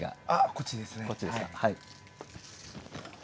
こっちですか。